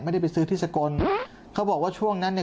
ไม่ได้ไปซื้อที่สกลเขาบอกว่าช่วงนั้นเนี่ย